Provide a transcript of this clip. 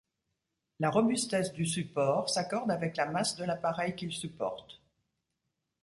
La robustesse du support s'accorde avec la masse de l'appareil qu'il supporte.